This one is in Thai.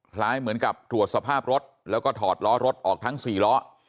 เหมือนกับตรวจสภาพรถแล้วก็ถอดล้อรถออกทั้ง๔ล้อ